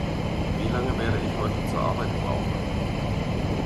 Wie lange werde ich heute zur Arbeit brauchen?